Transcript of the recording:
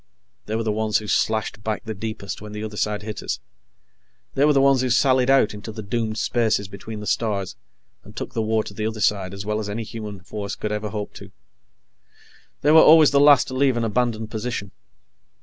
They were the ones who slashed back the deepest when the other side hit us. They were the ones who sallied out into the doomed spaces between the stars and took the war to the other side as well as any human force could ever hope to. They were always the last to leave an abandoned position.